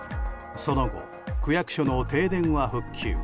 その後、区役所の停電は復旧。